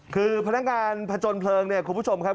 คือพนักงานผจญเพลิงเนี่ยคุณผู้ชมครับ